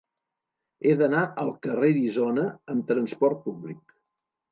He d'anar al carrer d'Isona amb trasport públic.